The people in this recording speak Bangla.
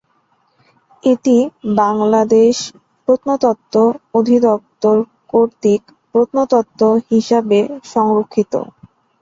এটি বাংলাদেশ প্রত্নতত্ত্ব অধিদপ্তর কর্তৃক প্রত্নতত্ত্ব হিসাবে সংরক্ষিত।